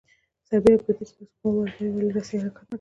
سربېره پر دې چې تاسو قوه واردوئ ولې رسۍ حرکت نه کوي؟